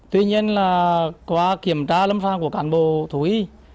tuy nhiên là qua kiểm tra lâm pha của cán bộ thủ y